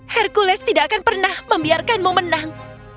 hercules tidak akan pernah membiarkanmu menang